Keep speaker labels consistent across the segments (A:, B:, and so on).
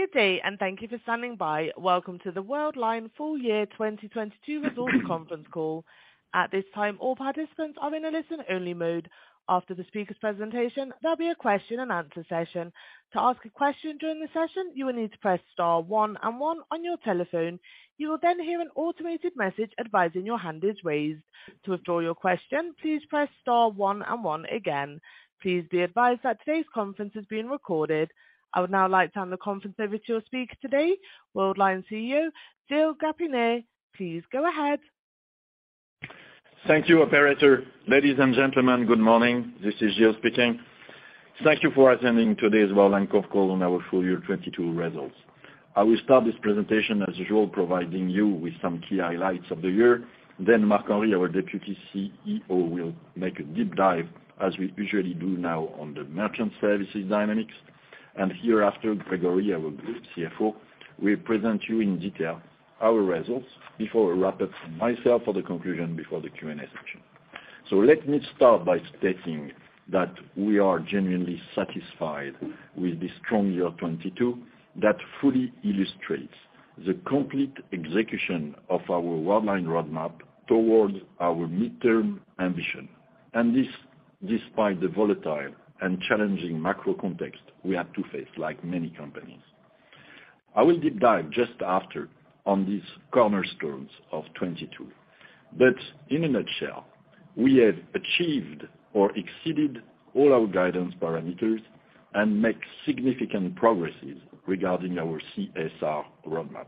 A: Good day, and thank you for standing by. Welcome to the Worldline full year 2022 results conference call. At this time, all participants are in a listen-only mode. After the speaker's presentation, there'll be a question and answer session. To ask a question during the session, you will need to press star one and one on your telephone. You will then hear an automated message advising your hand is raised. To withdraw your question, please press star one and one again. Please be advised that today's conference is being recorded. I would now like to hand the conference over to your speaker today, Worldline CEO, Gilles Grapinet. Please go ahead.
B: Thank you, operator. Ladies and gentlemen, good morning. This is Gilles speaking. Thank you for attending today's Worldline conf call on our full year 22 results. I will start this presentation, as usual, providing you with some key highlights of the year. Marc-Henri, our Deputy CEO, will make a deep dive as we usually do now on the Merchant Services dynamics. Hereafter, Gregory, our group CFO, will present you in detail our results before a wrap-up from myself for the conclusion before the Q&A session. Let me start by stating that we are genuinely satisfied with the strong year 22 that fully illustrates the complete execution of our Worldline roadmap towards our midterm ambition. This, despite the volatile and challenging macro context we had to face, like many companies. I will deep dive just after on these cornerstones of 22. In a nutshell, we have achieved or exceeded all our guidance parameters and make significant progresses regarding our CSR roadmap.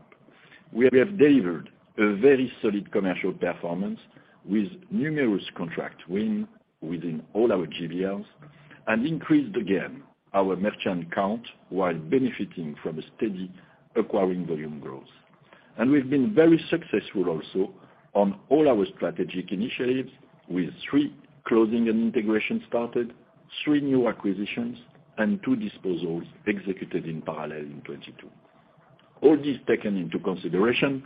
B: We have delivered a very solid commercial performance with numerous contract win within all our GBLs, and increased again our merchant count while benefiting from a steady acquiring volume growth. We've been very successful also on all our strategic initiatives with 3 closing and integration started, 3 new acquisitions, and 2 disposals executed in parallel in 2022. All this taken into consideration,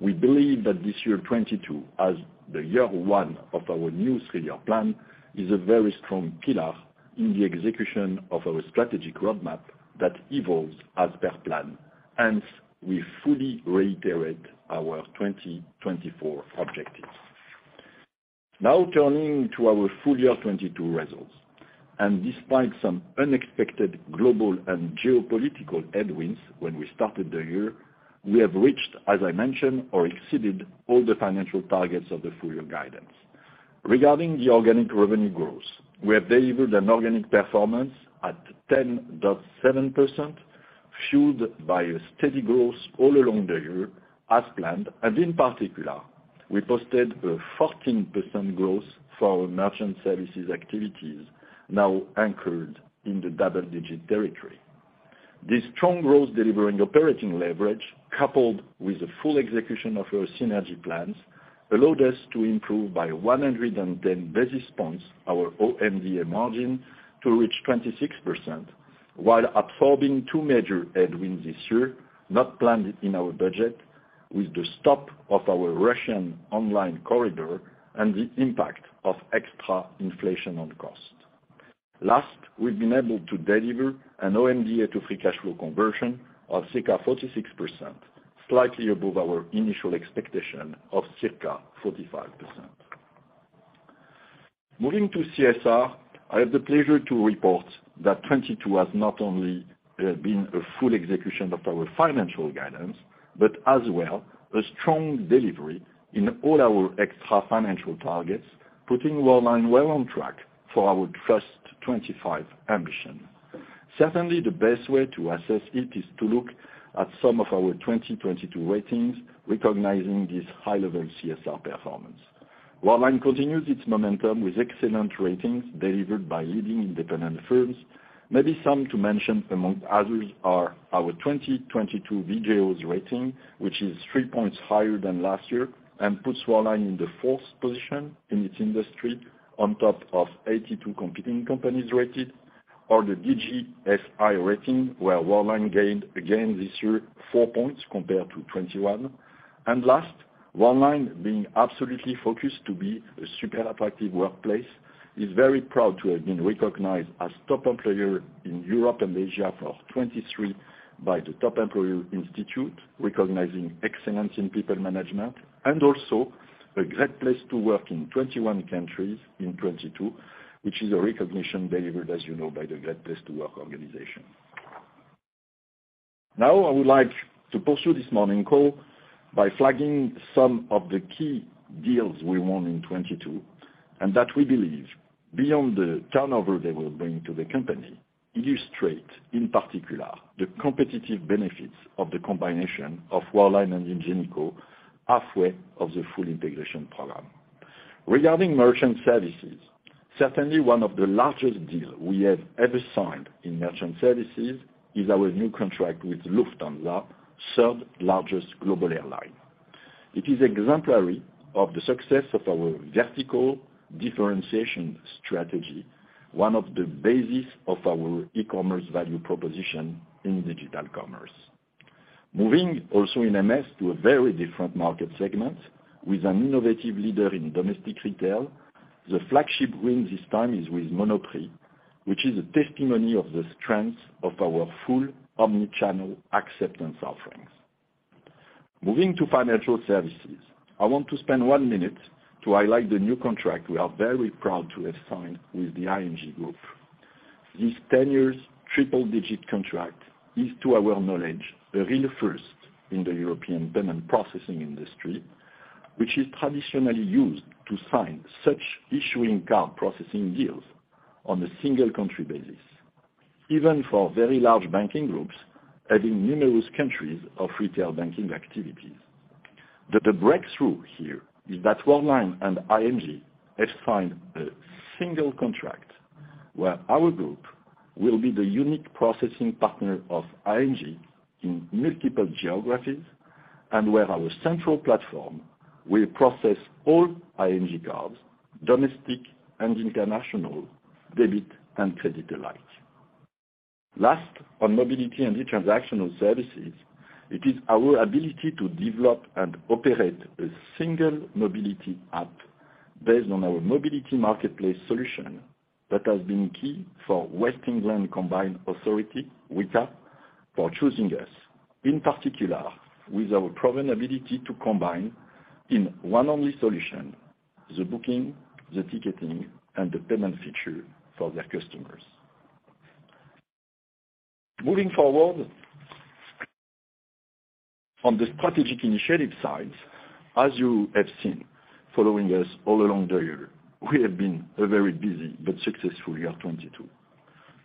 B: we believe that this year, 2022, as the year 1 of our new 3-year plan, is a very strong pillar in the execution of our strategic roadmap that evolves as per plan. Hence, we fully reiterate our 2024 objectives. Now turning to our full year 2022 results, and despite some unexpected global and geopolitical headwinds when we started the year, we have reached, as I mentioned, or exceeded all the financial targets of the full year guidance. Regarding the organic revenue growth, we have delivered an organic performance at 10.7%, fueled by a steady growth all along the year as planned. In particular, we posted a 14% growth for our Merchant Services activities, now anchored in the double-digit territory. This strong growth delivering operating leverage, coupled with the full execution of our synergy plans, allowed us to improve by 110 basis points our OMDA margin to reach 26% while absorbing two major headwinds this year, not planned in our budget, with the stop of our Russian online corridor and the impact of extra inflation on cost. We've been able to deliver an OMDA to free cash flow conversion of circa 46%, slightly above our initial expectation of circa 45%. Moving to CSR, I have the pleasure to report that 2022 has not only been a full execution of our financial guidance, but as well a strong delivery in all our extra financial targets, putting Worldline well on track for our Trust 2025 ambition. The best way to assess it is to look at some of our 2022 ratings recognizing this high-level CSR performance. Worldline continues its momentum with excellent ratings delivered by leading independent firms. Some to mention among others are our 2022 DJSI's rating, which is three points higher than last year and puts Worldline in the fourth position in its industry on top of 82 competing companies rated. The DJSI rating, where Worldline gained again this year 4 points compared to 2021. Last, Worldline being absolutely focused to be a super attractive workplace, is very proud to have been recognized as top employer in Europe and Asia for 2023 by the Top Employers Institute, recognizing excellence in people management. Also a Great Place To Work in 21 countries in 2022, which is a recognition delivered, as by the Great Place To Work organization. I would like to pursue this morning call by flagging some of the key deals we won in 2022, and that we believe, beyond the turnover they will bring to the company, illustrate, in particular, the competitive benefits of the combination of Worldline and Ingenico halfway of the full integration program. Regarding Merchant Services, certainly one of the largest deals we have ever signed in Merchant Services is our new contract with Lufthansa, third-largest global airline. It is exemplary of the success of our vertical differentiation strategy, one of the basis of our e-commerce value proposition in digital commerce. Moving also in MS to a very different market segment with an innovative leader in domestic retail, the flagship win this time is with Monoprix, which is a testimony of the strength of our full omni-channel acceptance offerings. Moving to Financial Services, I want to spend one minute to highlight the new contract we are very proud to have signed with the ING Group. This 10 years triple digit contract is, to our knowledge, a real first in the European payment processing industry, which is traditionally used to sign such issuing card processing deals on a single country basis, even for very large banking groups adding numerous countries of retail banking activities. The breakthrough here is that Worldline and ING have signed a single contract where our group will be the unique processing partner of ING in multiple geographies, and where our central platform will process all ING cards, domestic and international, debit and credit alike. Last, on Mobility & e-Transactional Services, it is our ability to develop and operate a single mobility app based on our mobility marketplace solution that has been key for West England Combined Authority, WECA, for choosing us, in particular with our proven ability to combine in one only solution the booking, the ticketing, and the payment feature for their customers. Moving forward, on the strategic initiative side, as you have seen following us all along the year, we have been a very busy but successful year 2022.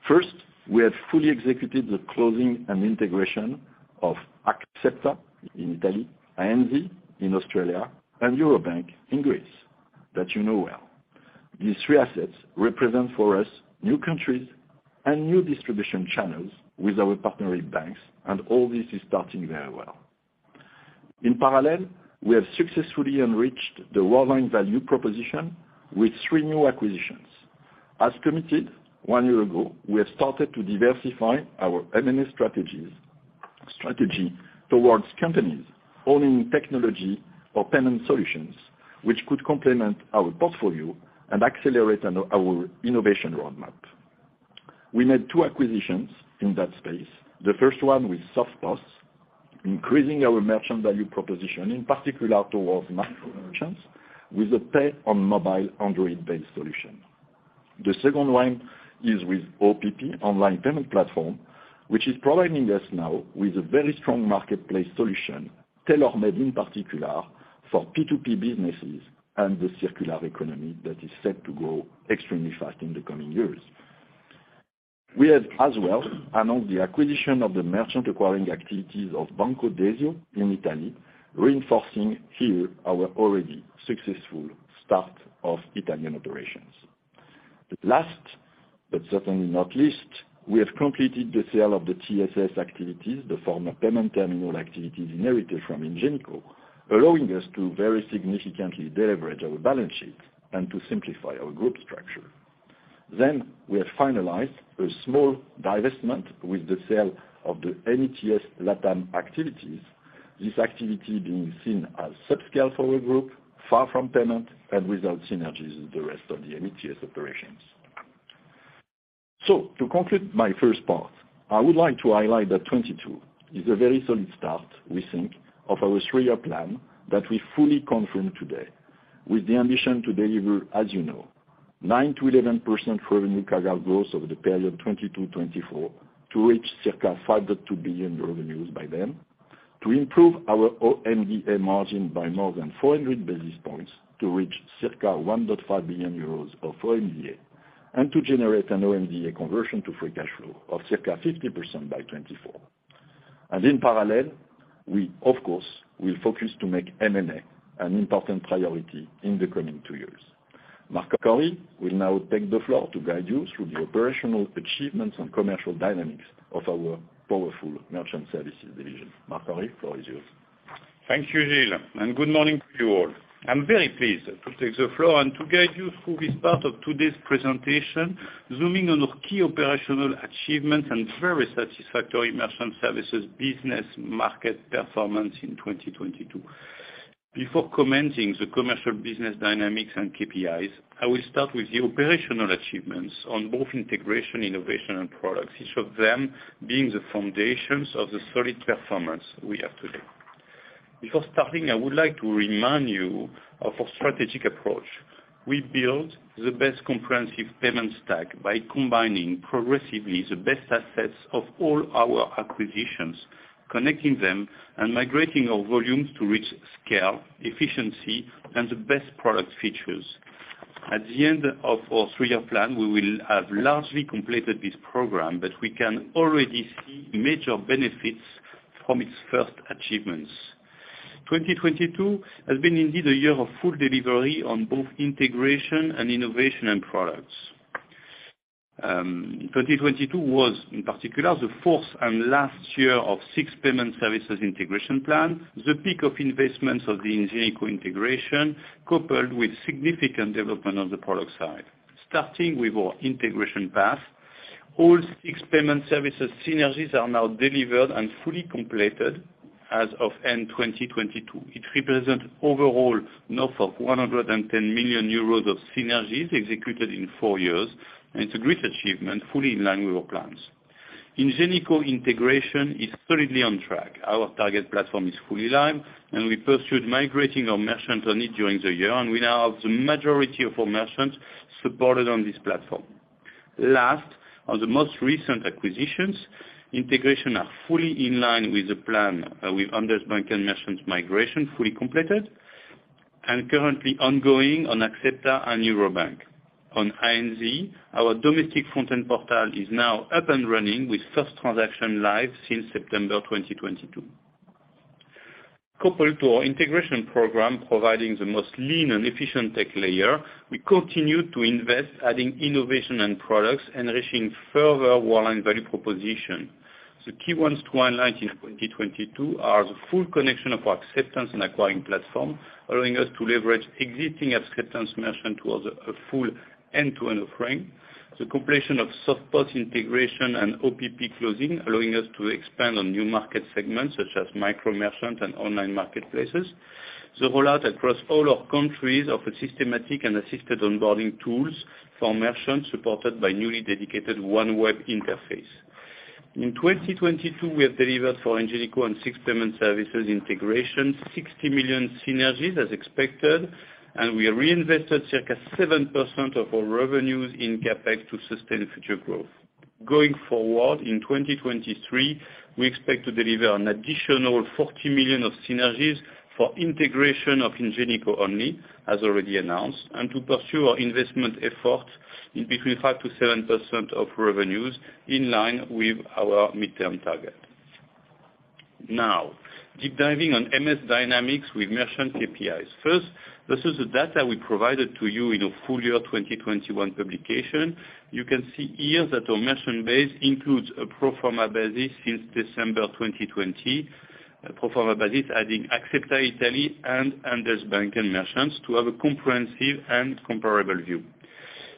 B: First, we have fully executed the closing and integration of Axepta in Italy, ANZ in Australia, and Eurobank in Greece that well. These three assets represent for us new countries and new distribution channels with our partnering banks, and all this is starting very well. In parallel, we have successfully enriched the Worldline value proposition with three new acquisitions. As committed one year ago, we have started to diversify our M&A strategy towards companies owning technology or payment solutions which could complement our portfolio and accelerate our innovation roadmap. We made two acquisitions in that space. The first one with SoftPos, increasing our merchant value proposition, in particular towards micro merchants, with a pay on mobile Android-based solution. The second one is with OPP, Online Payment Platform, which is providing us now with a very strong marketplace solution, tailor-made in particular for P2P businesses and the circular economy that is set to grow extremely fast in the coming years. We have as well announced the acquisition of the merchant acquiring activities of Banco Desio in Italy, reinforcing here our already successful start of Italian operations. Last, but certainly not least, we have completed the sale of the TSS activities, the former payment terminal activities inherited from Ingenico, allowing us to very significantly deleverage our balance sheet and to simplify our group structure. We have finalized a small divestment with the sale of the NETS LATAM activities, this activity being seen as subscale for our group, far from payment, and without synergies with the rest of the Nets operations. To conclude my first part, I would like to highlight that 2022 is a very solid start, we think, of our three-year plan that we fully confirm today, with the ambition to deliver, as 9% to 11% revenue CAGR growth over the period 2022, 2024, to reach circa 5.2 billion revenues by then, to improve our OMDA margin by more than 400 basis points to reach circa 1.5 billion euros of OMDA, and to generate an OMDA conversion to free cash flow of circa 50% by 2024. In parallel, we of course will focus to make M&A an important priority in the coming two years. Marc Corry will now take the floor to guide you through the operational achievements and commercial dynamics of our powerful Merchant Services division. Marc Corry, the floor is yours.
C: Thank you, Gilles, and good morning to you all. I'm very pleased to take the floor and to guide you through this part of today's presentation, zooming on our key operational achievements and very satisfactory Merchant Services business market performance in 2022. Before commenting the commercial business dynamics and KPIs, I will start with the operational achievements on both integration, innovation, and products, each of them being the foundations of the solid performance we have today. Before starting, I would like to remind you of our strategic approach. We build the best comprehensive payment stack by combining progressively the best assets of all our acquisitions, connecting them and migrating our volumes to reach scale, efficiency, and the best product features. At the end of our 3-year plan, we will have largely completed this program, but we can already see major benefits from its first achievements. 2022 has been indeed a year of full delivery on both integration and innovation and products. 2022 was in particular the 4th and last year of SIX Payment Services integration plan, the peak of investments of the Ingenico integration, coupled with significant development on the product side. Starting with our integration path. All SIX Payment Services synergies are now delivered and fully completed as of end 2022. It represents overall north of 110 million euros of synergies executed in four years. It's a great achievement, fully in line with our plans. Ingenico integration is solidly on track. Our target platform is fully live. We pursued migrating our merchants on it during the year. We now have the majority of our merchants supported on this platform. Last, on the most recent acquisitions, integration are fully in line with the plan, with Handelsbanken and Merchants migration fully completed and currently ongoing on Axepta Italy and Eurobank. On ANZ, our domestic front end portal is now up and running with first transaction live since September 2022. Coupled to our integration program providing the most lean and efficient tech layer, we continue to invest, adding innovation and products, enriching further Worldline value proposition. The key ones to highlight in 2022 are the full connection of our acceptance and acquiring platform, allowing us to leverage existing acceptance merchant towards a full end-to-end offering, the completion of SoftPos integration and OPP closing, allowing us to expand on new market segments such as micro merchants and online marketplaces, the rollout across all our countries of a systematic and assisted onboarding tools for merchants supported by newly dedicated one web interface. In 2022, we have delivered for Ingenico and SIX Payment Services integration 60 million synergies as expected, and we reinvested circa 7% of our revenues in CapEx to sustain future growth. Going forward, in 2023, we expect to deliver an additional 40 million of synergies for integration of Ingenico only, as already announced, and to pursue our investment effort in between 5%-7% of revenues in line with our midterm target. Deep diving on MS Dynamics with merchant KPIs. This is the data we provided to you in a full year 2021 publication. You can see here that our merchant base includes a pro forma basis since December 2020, a pro forma basis adding Axepta Italy and Banco Desio and Merchants to have a comprehensive and comparable view.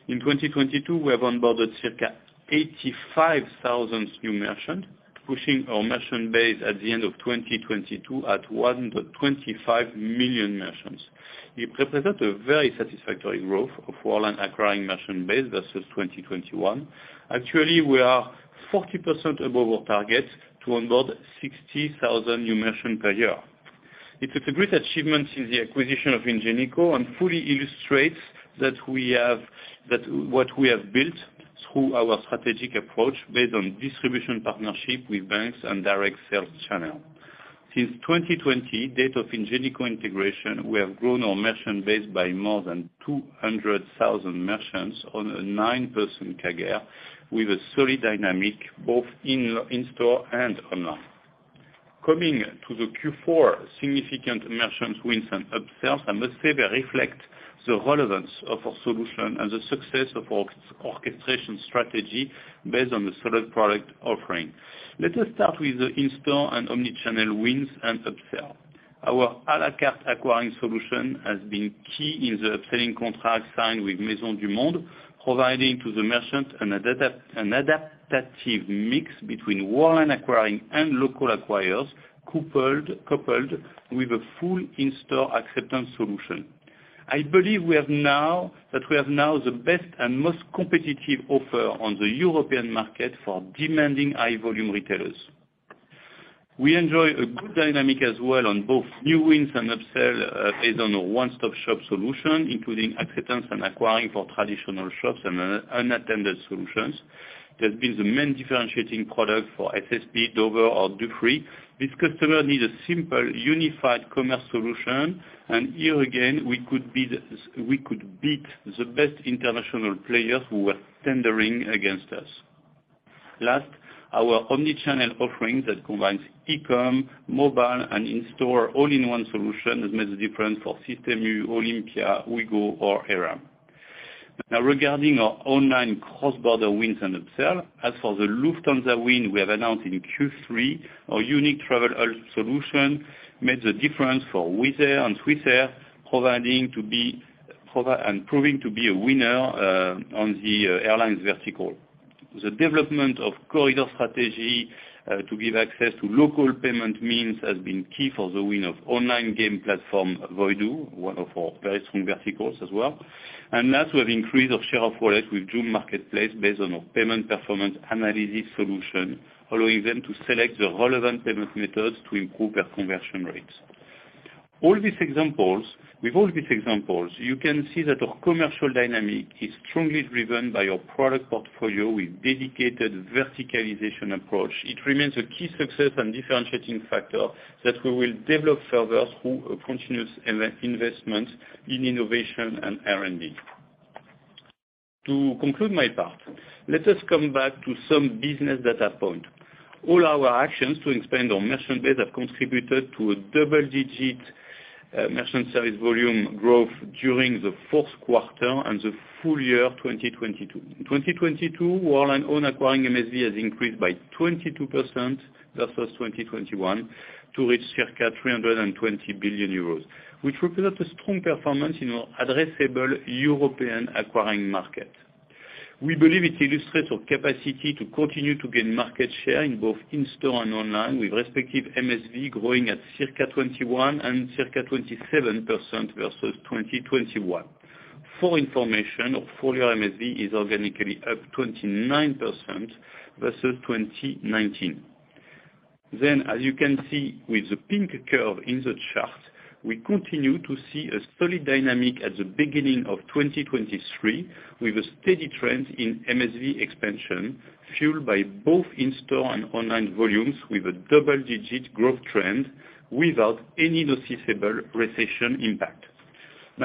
C: In 2022, we have onboarded circa 85,000 new merchant, pushing our merchant base at the end of 2022 at 125 million merchants. It represent a very satisfactory growth of Worldline acquiring merchant base versus 2021. Actually, we are 40% above our target to onboard 60,000 new merchant per year. It is a great achievement in the acquisition of Ingenico and fully illustrates that what we have built through our strategic approach based on distribution partnership with banks and direct sales channel. Since 2020, date of Ingenico integration, we have grown our merchant base by more than 200,000 merchants on a 9% CAGR with a solid dynamic both in-store and online. Coming to the Q4 significant merchants wins and upsells, I must say they reflect the relevance of our solution and the success of orchestration strategy based on the solid product offering. Let us start with the in-store and omni-channel wins and upsell. Our à la carte acquiring solution has been key in the upselling contract signed with Maisons du Monde, providing to the merchant an adaptive mix between Worldline acquiring and local acquirers, coupled with a full in-store acceptance solution. I believe that we have now the best and most competitive offer on the European market for demanding high volume retailers. We enjoy a good dynamic as well on both new wins and upsell, based on a one-stop shop solution, including acceptance and acquiring for traditional shops and unattended solutions. There's been the main differentiating product for SSP, Dover or Dufry. This customer needs a simple, unified commerce solution, and here again, we could beat the best international players who were tendering against us. Last, our omni-channel offering that combines eCom, mobile, and in-store all-in-one solution has made the difference for Système U, Olympia, Wigo or Aram. Now regarding our online cross-border wins and upsell, as for the Lufthansa win we have announced in Q3, our unique travel solution made the difference for Wizz Air and SWISS, and proving to be a winner on the airlines vertical. The development of corridor strategy to give access to local payment means has been key for the win of online game platform Voidu, one of our very strong verticals as well. Last, we have increased our share of wallet with Joom Marketplace based on our payment performance analysis solution, allowing them to select the relevant payment methods to improve their conversion rates. With all these examples, you can see that our commercial dynamic is strongly driven by our product portfolio with dedicated verticalization approach. It remains a key success and differentiating factor that we will develop further through a continuous investment in innovation and R&D. To conclude my part, let us come back to some business data point. All our actions to expand our merchant base have contributed to a double-digit merchant service volume growth during the Q4 and the full year 2022. In 2022, Worldline own acquiring MSV has increased by 22% versus 2021 to reach circa 320 billion euros, which represent a strong performance in our addressable European acquiring market. We believe it illustrates our capacity to continue to gain market share in both in-store and online, with respective MSV growing at circa 21 and circa 27% versus 2021. For information, our full-year MSV is organically up 29% versus 2019. As you can see with the pink curve in the chart, we continue to see a steady dynamic at the beginning of 2023, with a steady trend in MSV expansion, fueled by both in-store and online volumes with a double-digit growth trend without any noticeable recession impact.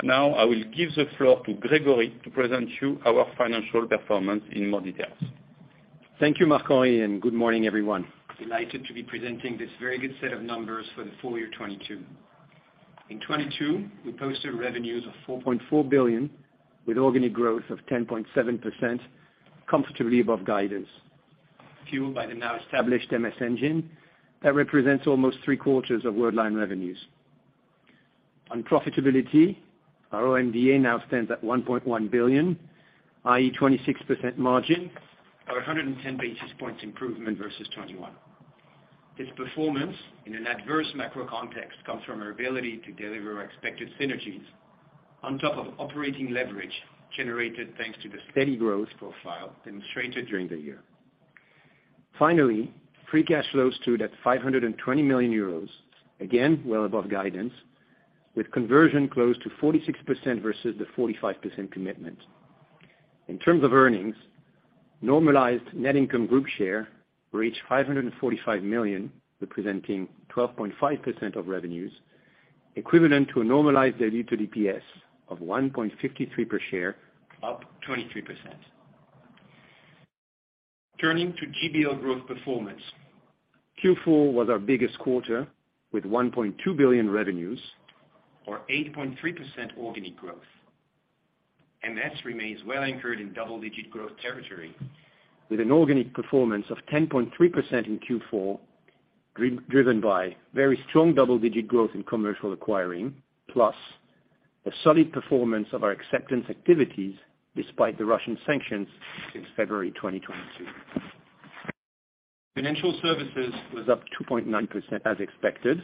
C: I will give the floor to Gregory to present you our financial performance in more details.
D: Thank you, Marco, and good morning, everyone. Delighted to be presenting this very good set of numbers for the full year 2022. In 2022, we posted revenues of 4.4 billion with organic growth of 10.7%, comfortably above guidance. Fueled by the now established MS engine that represents almost three-quarters of Worldline revenues. On profitability, our OMDA now stands at 1.1 billion, i.e., 26% margin or 110 basis points improvement versus 2021. This performance in an adverse macro context comes from our ability to deliver expected synergies on top of operating leverage generated thanks to the steady growth profile demonstrated during the year. Finally, free cash flows stood at 520 million euros, again, well above guidance, with conversion close to 46% versus the 45% commitment. In terms of earnings, normalized net income group share reached 545 million, representing 12.5% of revenues, equivalent to a normalized dilute EPS of 1.53 per share, up 23%. Turning to GBL growth performance. Q4 was our biggest quarter with 1.2 billion revenues or 8.3% organic growth. MS remains well anchored in double-digit growth territory with an organic performance of 10.3% in Q4, driven by very strong double-digit growth in commercial acquiring, plus the solid performance of our acceptance activities despite the Russian sanctions since February 2022. Financial services was up 2.9% as expected,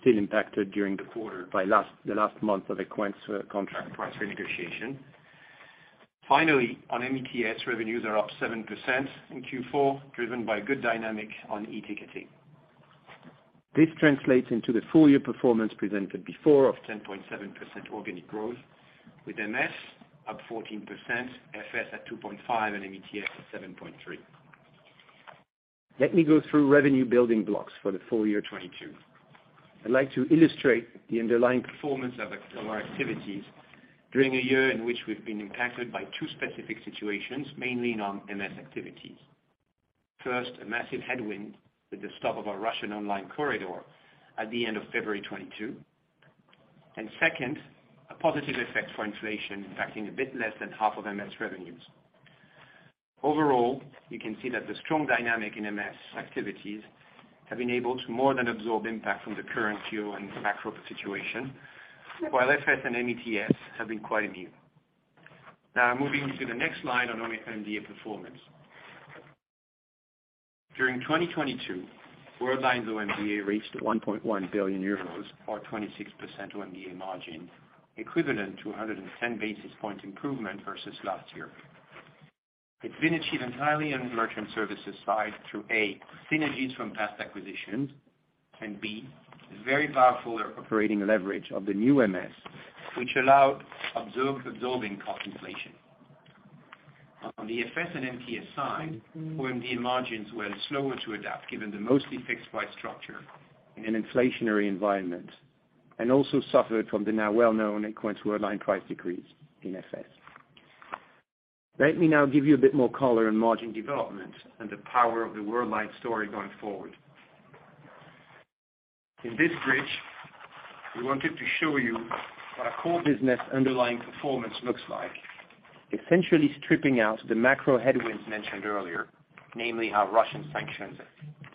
D: still impacted during the quarter by the last month of Equens' contract price renegotiation. On METS, revenues are up 7% in Q4, driven by good dynamic on e-ticketing. This translates into the full year performance presented before of 10.7% organic growth with MS up 14%, FS at 2.5%, and METS at 7.3%. Let me go through revenue building blocks for the full year 2022. I'd like to illustrate the underlying performance of our activities during a year in which we've been impacted by two specific situations, mainly non-MS activities. First, a massive headwind with the stop of our Russian online corridor at the end of February 2022. Second, a positive effect for inflation impacting a bit less than half of MS revenues. Overall, you can see that the strong dynamic in MS activities have been able to more than absorb impact from the current geo and macro situation, while FS and METS have been quite immune. Now moving to the next slide on our OMDA performance. During 2022, Worldline's OMDA reached 1.1 billion euros or 26% OMDA margin, equivalent to 110 basis point improvement versus last year. It's been achieved entirely on Merchant Services side through, A, synergies from past acquisitions, and B, very powerful operating leverage of the new MS, which allowed absorbing cost inflation. On the FS and MTS side, OMDA margins were slower to adapt, given the mostly fixed price structure in an inflationary environment, and also suffered from the now well-known Equens Worldline price decrease in FS. Let me now give you a bit more color on margin development and the power of the Worldline story going forward. In this bridge, we wanted to show you what our core business underlying performance looks like, essentially stripping out the macro headwinds mentioned earlier, namely how Russian sanctions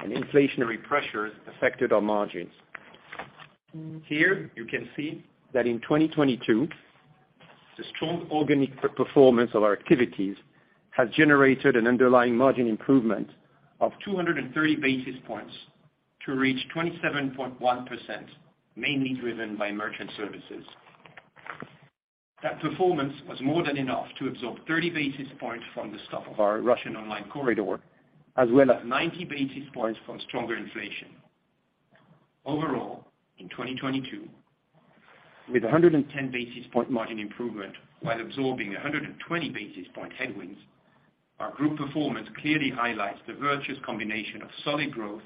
D: and inflationary pressures affected our margins. Here you can see that in 2022, the strong organic performance of our activities has generated an underlying margin improvement of 230 basis points to reach 27.1%, mainly driven by Merchant Services. That performance was more than enough to absorb 30 basis points from the stop of our Russian online corridor, as well as 90 basis points from stronger inflation. Overall, in 2022, with 110 basis point margin improvement while absorbing 120 basis point headwinds, our group performance clearly highlights the virtuous combination of solid growth,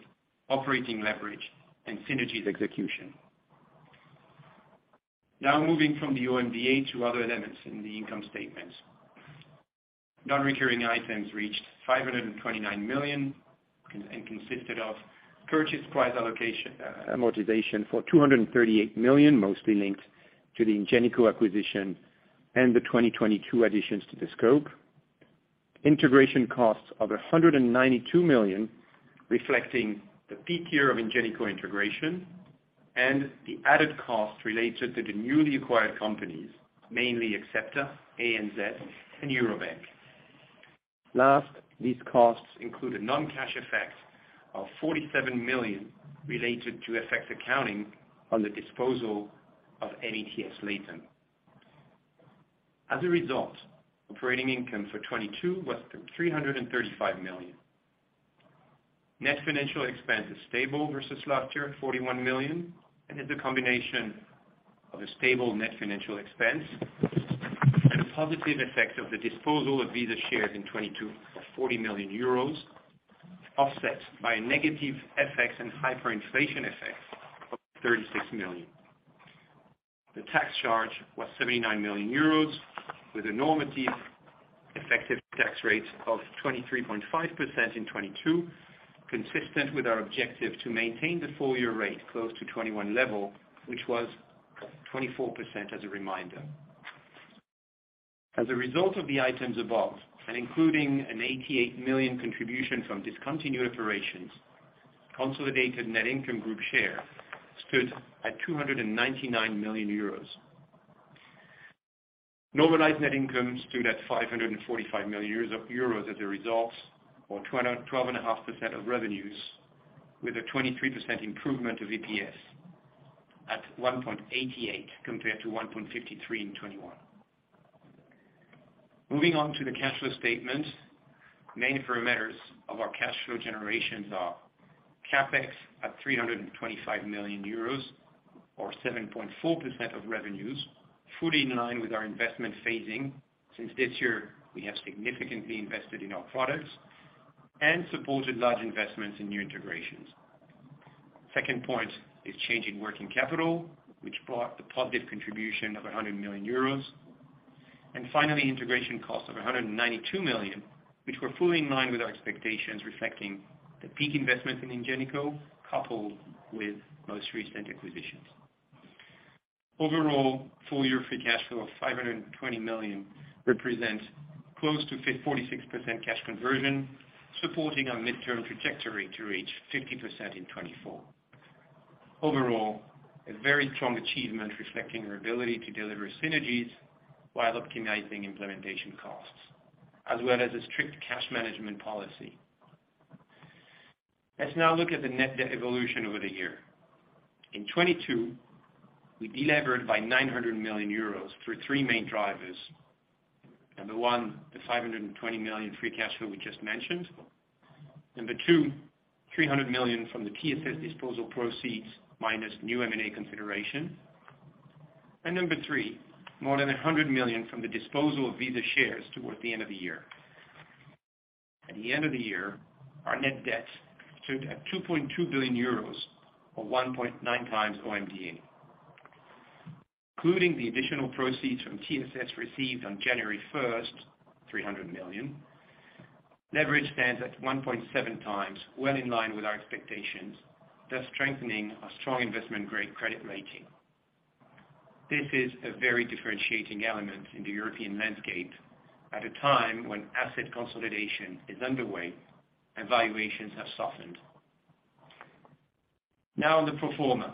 D: operating leverage, and synergies execution. Now moving from the OMDA to other elements in the income statement. Non-recurring items reached 529 million and consisted of purchase price allocation amortization for 238 million, mostly linked to the Ingenico acquisition and the 2022 additions to the scope. Integration costs of 192 million, reflecting the peak year of Ingenico integration. The added cost related to the newly acquired companies, mainly Axepta, ANZ, and Eurobank. Last, these costs include a non-cash effect of 47 million related to effect accounting on the disposal of NETS LATAM. As a result, operating income for 2022 was 335 million. Net financial expense is stable versus last year, 41 million, and is a combination of a stable net financial expense and a positive effect of the disposal of Visa shares in 2022 of 40 million euros, offset by a negative FX and hyperinflation effect of 36 million. The tax charge was 79 million euros, with a normative effective tax rate of 23.5% in 2022, consistent with our objective to maintain the full year rate close to 2021 level, which was 24% as a reminder. As a result of the items above, including an 88 million contribution from discontinued operations, consolidated net income group share stood at 299 million euros. Normalized net income stood at 545 million euros as a result, or 12.5% of revenues, with a 23% improvement of EPS at 1.88 compared to 1.53 in 2021. Moving on to the cash flow statement. Main parameters of our cash flow generations are CapEx at 325 million euros, or 7.4% of revenues, fully in line with our investment phasing. Since this year, we have significantly invested in our products and supported large investments in new integrations. Second point is change in working capital, which brought the positive contribution of 100 million euros. Finally, integration costs of 192 million, which were fully in line with our expectations, reflecting the peak investment in Ingenico, coupled with most recent acquisitions. Overall, full year free cash flow of 520 million represents close to 46% cash conversion, supporting our midterm trajectory to reach 50% in 2024. Overall, a very strong achievement reflecting our ability to deliver synergies while optimizing implementation costs, as well as a strict cash management policy. Let's now look at the net debt evolution over the year. In 2022, we delevered by 900 million euros through three main drivers. Number one, the 520 million free cash flow we just mentioned. Number two, 300 million from the TSS disposal proceeds minus new M&A consideration. Number three, more than 100 million from the disposal of Visa shares toward the end of the year. At the end of the year, our net debt stood at 2.2 billion euros, or 1.9 times OMDA. Including the additional proceeds from TSS received on January first, 300 million, leverage stands at 1.7 times, well in line with our expectations, thus strengthening our strong investment-grade credit rating. This is a very differentiating element in the European landscape at a time when asset consolidation is underway and valuations have softened. On the pro forma.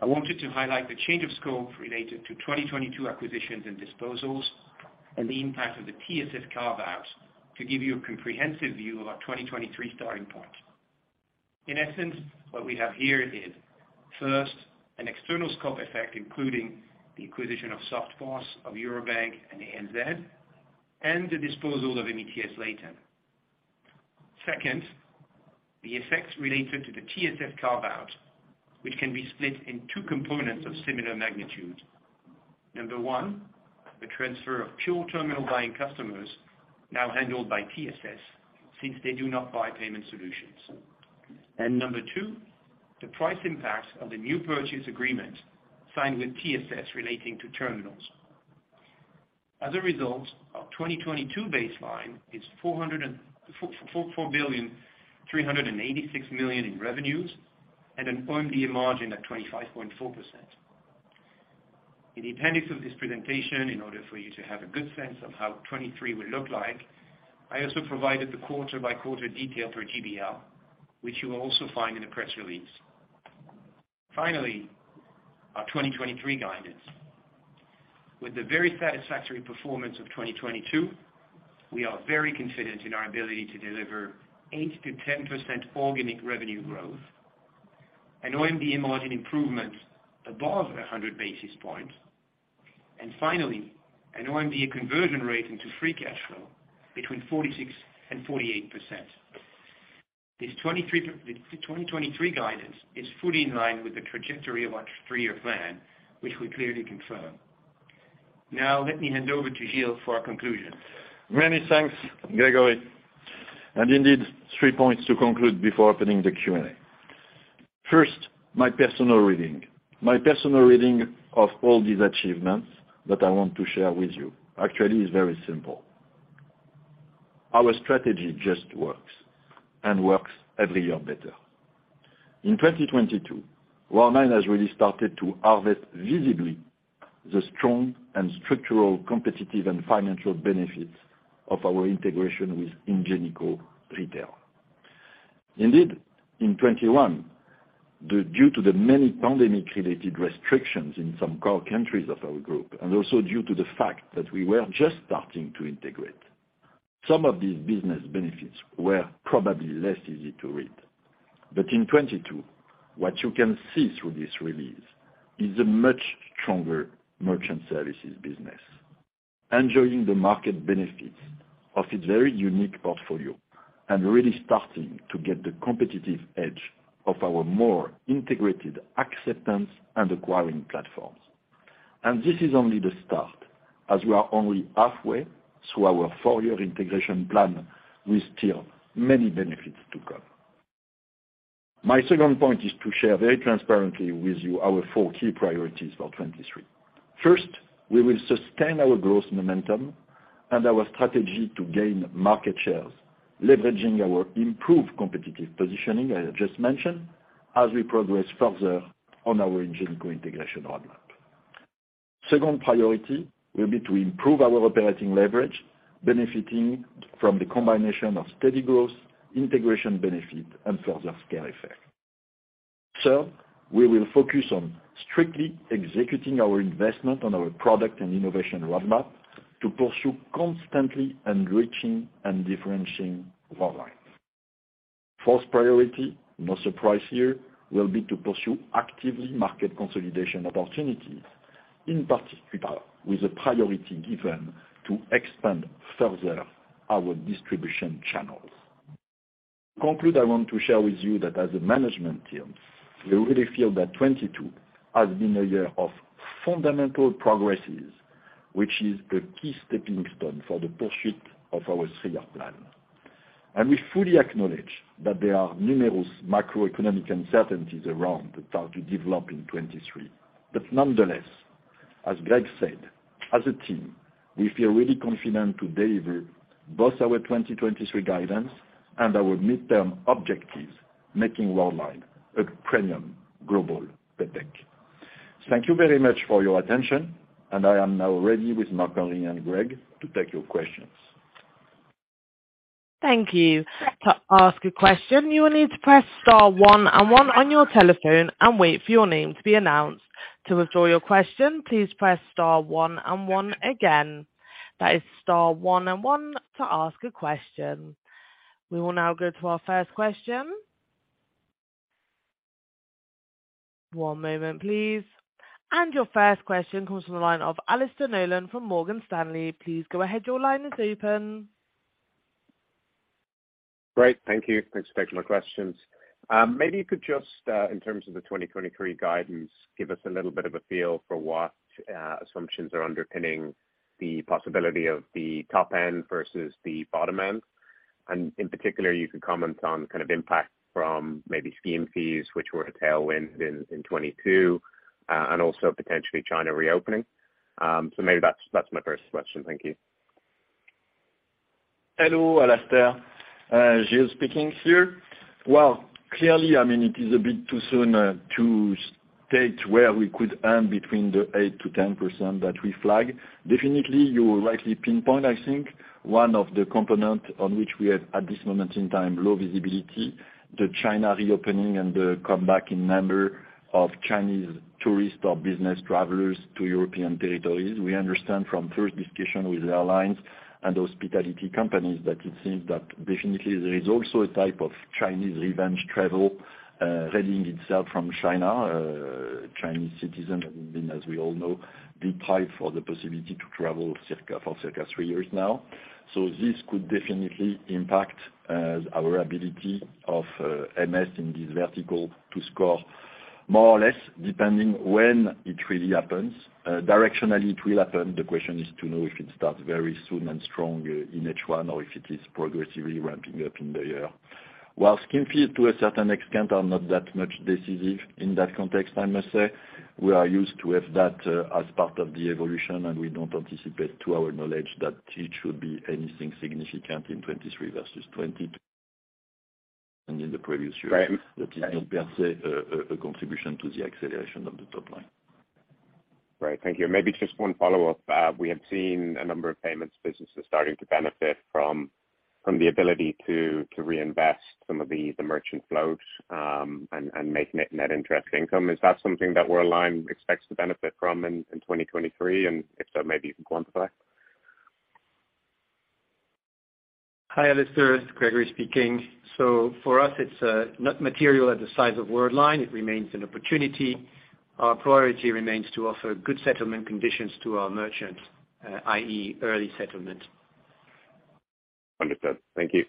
D: I wanted to highlight the change of scope related to 2022 acquisitions and disposals, and the impact of the TSS carve-out to give you a comprehensive view of our 2023 starting point. In essence, what we have here is, first, an external scope effect, including the acquisition of SoftPos, of Eurobank and ANZ, and the disposal of NETS LATAM. Second, the effects related to the TSS carve-out, which can be split in two components of similar magnitude. one, the transfer of pure terminal buying customers now handled by TSS, since they do not buy payment solutions. two, the price impacts of the new purchase agreement signed with TSS relating to terminals. As a result, our 2022 baseline is 4 billion 386 million in revenues and an OMDA margin of 25.4%. In the appendix of this presentation, in order for you to have a good sense of how 23 will look like, I also provided the quarter-by-quarter detail for GBL, which you will also find in the press release. Finally, our 2023 guidance. With the very satisfactory performance of 2022, we are very confident in our ability to deliver 8%-10% organic revenue growth, an OMDA margin improvement above 100 basis points, and finally, an OMDA conversion rate into free cash flow between 46% and 48%. This 2023 guidance is fully in line with the trajectory of our three-year plan, which we clearly confirm. Now let me hand over to Gilles for our conclusion.
B: Many thanks, Gregory. Three points to conclude before opening the Q&A. First, my personal reading. My personal reading of all these achievements that I want to share with you actually is very simple. Our strategy just works, and works every year better. In 2022, Worldline has really started to harvest visibly the strong and structural, competitive and financial benefits of our integration with Ingenico Retail. In 2021, due to the many pandemic-related restrictions in some core countries of our group, and also due to the fact that we were just starting to integrate, some of these business benefits were probably less easy to read. In 2022, what you can see through this release is a much stronger Merchant Services business, enjoying the market benefits of its very unique portfolio and really starting to get the competitive edge of our more integrated acceptance and acquiring platforms. This is only the start as we are only halfway through our 4-year integration plan with still many benefits to come. My second point is to share very transparently with you our 4 key priorities for 2023. First, we will sustain our growth momentum and our strategy to gain market shares, leveraging our improved competitive positioning, I have just mentioned, as we progress further on our Ingenico integration roadmap. Second priority will be to improve our operating leverage, benefiting from the combination of steady growth, integration benefit, and further scale effect. We will focus on strictly executing our investment on our product and innovation roadmap to pursue constantly enriching and differentiating Worldline. Fourth priority, no surprise here, will be to pursue actively market consolidation opportunities, in particular with the priority given to expand further our distribution channels. To conclude, I want to share with you that as a management team, we really feel that 2022 has been a year of fundamental progresses, which is the key stepping stone for the pursuit of our three-year plan. We fully acknowledge that there are numerous macroeconomic uncertainties around that are to develop in 2023. Nonetheless, as Gregory said, as a team, we feel really confident to deliver both our 2023 guidance and our midterm objectives, making Worldline a premium global tech. Thank you very much for your attention, and I am now ready with Marc-Henri and Gregory to take your questions.
A: Thank you. To ask a question, you will need to press star one on one on your telephone and wait for your name to be announced. To withdraw your question, please press star one and one again. That is star one and one to ask a question. We will now go to our first question. One moment, please. Your first question comes from the line of Alistair Nolan from Morgan Stanley. Please go ahead. Your line is open.
E: Great. Thank you. Thanks for taking my questions. Maybe you could just in terms of the 2023 guidance, give us a little bit of a feel for what assumptions are underpinning the possibility of the top end versus the bottom end. In particular, you could comment on kind of impact from maybe scheme fees, which were a tailwind in 2022, also potentially China reopening. Maybe that's my first question. Thank you.
B: Hello, Alistair. Gilles speaking here. Well, clearly, it is a bit too soon to state where we could earn between the 8% to 10% that we flag. Definitely, you rightly pinpoint, I think, one of the component on which we have, at this moment in time, low visibility, the China reopening and the comeback in number of Chinese tourists or business travelers to European territories. We understand from first discussion with airlines and hospitality companies that it seems that definitely there is also a type of Chinese revenge travel readying itself from China. Chinese citizen have been, as we all know, deprived for the possibility to travel circa, for circa three years now. This could definitely impact our ability of MS in this vertical to score more or less, depending when it really happens. Directionally, it will happen. The question is to know if it starts very soon and strong in H1 or if it is progressively ramping up in the year. While scheme fees to a certain extent are not that much decisive in that context, I must say, we are used to have that as part of the evolution, and we don't anticipate to our knowledge that it should be anything significant in 2023 versus 2022, and in the previous year.
E: Right.
B: That is not per se a contribution to the acceleration of the top line.
E: Right. Thank you. Maybe just one follow-up. We have seen a number of payments businesses starting to benefit from the ability to reinvest some of the merchant float and making it net interest income. Is that something that Worldline expects to benefit from in 2023, and if so, maybe you can quantify?
D: Hi, Alistair. It's Gregory speaking. For us, it's not material at the size of Worldline. It remains an opportunity. Our priority remains to offer good settlement conditions to our merchants, i.e., early settlement.
E: Understood. Thank you.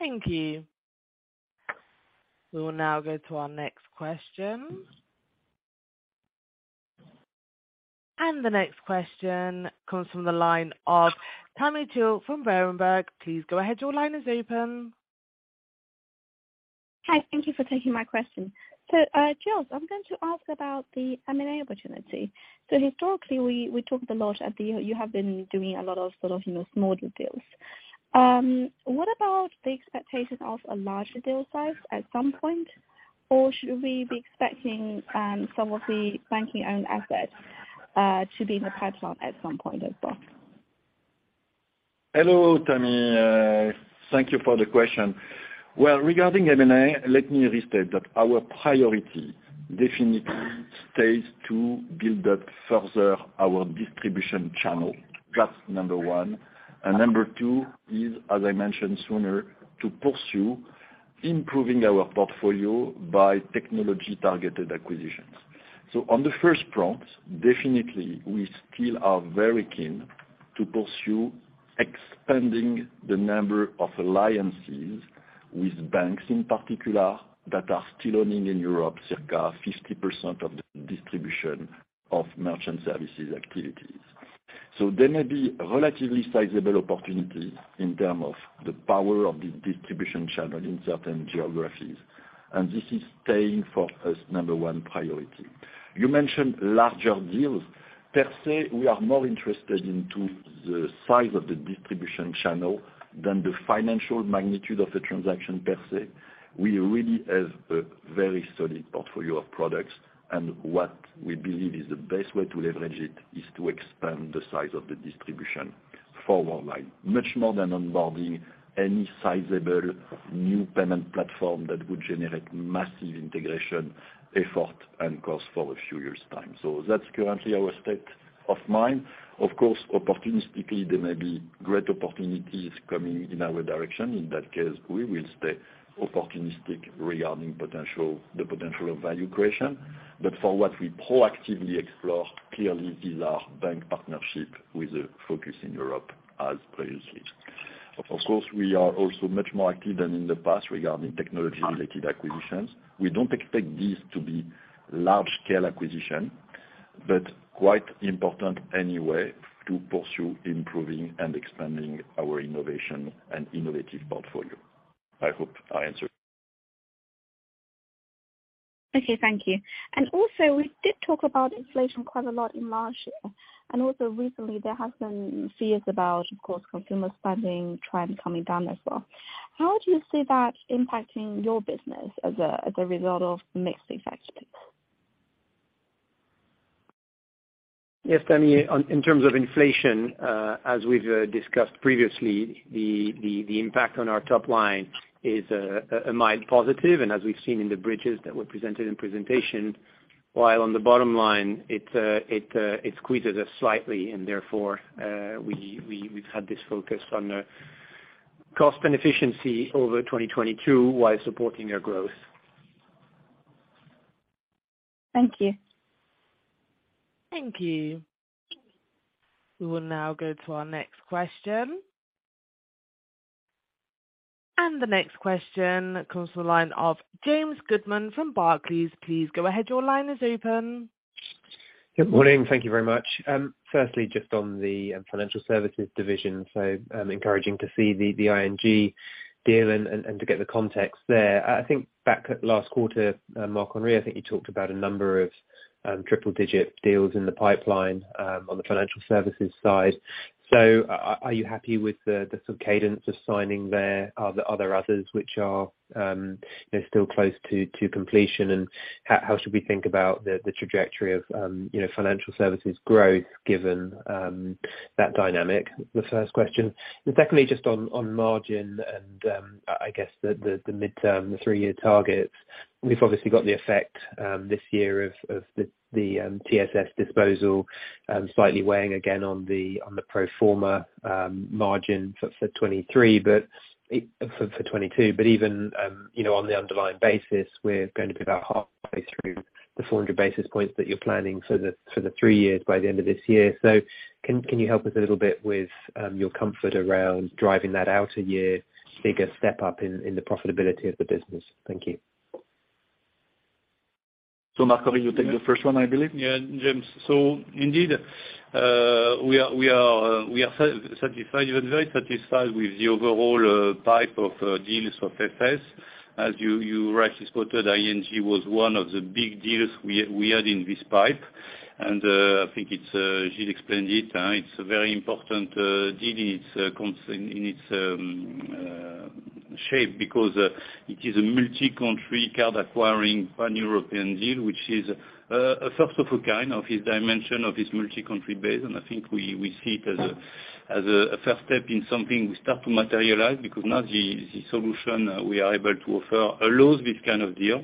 A: Thank you. We will now go to our next question. The next question comes from the line of Tammy Qiu from Berenberg. Please go ahead. Your line is open.
F: Hi. Thank you for taking my question. Gilles, I'm going to ask about the M&A opportunity. Historically, we talked a lot. You have been doing a lot of, sort of, small deals. What about the expectation of a larger deal size at some point? Should we be expecting some of the banking own assets to be in the pipeline at some point as well?
B: Hello, Tammy. Thank you for the question. Well, regarding M&A, let me restate that our priority definitely stays to build up further our distribution channel. That's number 1. Number 2 is, as I mentioned sooner, to pursue improving our portfolio by technology-targeted acquisitions. On the first prompt, definitely we still are very keen to pursue expanding the number of alliances with banks in particular, that are still owning in Europe circa 50% of the distribution of merchant services activities. There may be relatively sizable opportunities in term of the power of the distribution channel in certain geographies, and this is staying for us number 1 priority. You mentioned larger deals. Per se, we are more interested into the size of the distribution channel than the financial magnitude of the transaction per se. We really have a very solid portfolio of products, and what we believe is the best way to leverage it is to expand the size of the distribution for Worldline. Much more than onboarding any sizable new payment platform that would generate massive integration effort and cost for a few years' time. That's currently our state of mind. Of course, opportunistically, there may be great opportunities coming in our direction. In that case, we will stay opportunistic regarding potential, the potential of value creation. For what we proactively explore, clearly is our bank partnership with a focus in Europe as previously. Of course, we are also much more active than in the past regarding technology-related acquisitions. We don't expect this to be large-scale acquisition, but quite important anyway to pursue improving and expanding our innovation and innovative portfolio. I hope I answered.
F: Okay, thank you. We did talk about inflation quite a lot in March. Recently there have been fears about, of course, consumer spending trend coming down as well. How do you see that impacting your business as a result of mixed effect?
D: Yes, Tammy. In terms of inflation, as we've discussed previously, the impact on our top line is a mild positive. As we've seen in the bridges that were presented in presentation, while on the bottom line, it squeezes us slightly. Therefore, we've had this focus on cost and efficiency over 2022 while supporting our growth.
F: Thank you.
A: Thank you. We will now go to our next question. The next question comes from the line of James Goodman from Barclays. Please go ahead. Your line is open.
G: Good morning. Thank you very much. Firstly, just on the Financial Services division, so, encouraging to see the ING deal and to get the context there. I think back at last quarter, Marc Henry, I think you talked about a number of triple-digit deals in the pipeline on the Financial Services side. Are you happy with the sort of cadence of signing there? Are there other others which are still close to completion? How should we think about the trajectory of financial services growth given that dynamic? The first question. Secondly, just on margin and, I guess the midterm, the 3-year targets, we've obviously got the effect, this year of the TSS disposal, slightly weighing again on the pro forma margin for 2023, for 2022. Even on the underlying basis, we're going to be about halfway through the 400 basis points that you're planning for the 3 years by the end of this year. Can you help us a little bit with your comfort around driving that out a year bigger step up in the profitability of the business? Thank you.
B: Marc-Henri, you take the first one, I believe.
C: James. Indeed, we are satisfied and very satisfied with the overall pipe of deals of FS. As you rightly quoted, ING was one of the big deals we had in this pipe. I think it's Gilles explained it's a very important deal in its shape because it is a multi-country card acquiring Pan-European deal, which is a first of a kind of this dimension, of this multi-country base. I think we see it as a first step in something we start to materialize because now the solution we are able to offer allows this kind of deal.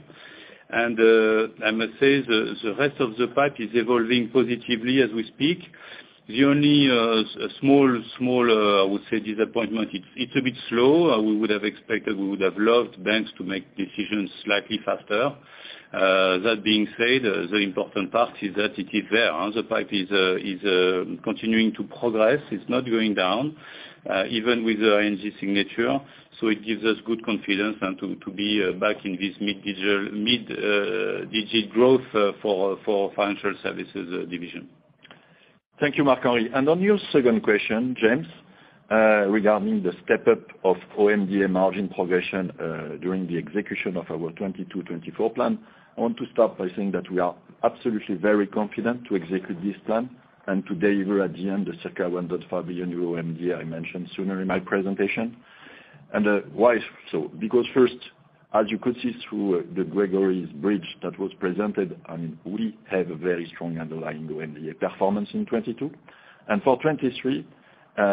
C: I must say the rest of the pipe is evolving positively as we speak. The only small I would say disappointment, it's a bit slow. We would have expected, we would have loved banks to make decisions slightly faster. That being said, the important part is that it is there. The pipe is continuing to progress. It's not going down, even with the ING signature, so it gives us good confidence and to be back in this mid-digit growth for Financial Services division.
B: Thank you, Marc-Henri. On your second question, James, regarding the step-up of OMDA margin progression during the execution of our 2022/2024 plan, I want to start by saying that we are absolutely very confident to execute this plan and to deliver at the end the circa 1.5 billion euro OMDA I mentioned sooner in my presentation. Why so? Because first, as you could see through the Gregory's bridge that was presented, I mean, we have a very strong underlying OMDA performance in 2022. For 2023,